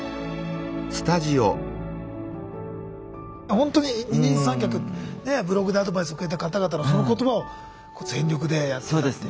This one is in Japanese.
ほんとに二人三脚ブログでアドバイスをくれた方々のその言葉を全力でやっていったというね。